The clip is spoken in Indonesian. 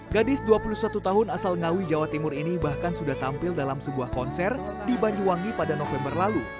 gadis dua puluh satu tahun asal ngawi jawa timur ini bahkan sudah tampil dalam sebuah konser di banyuwangi pada november lalu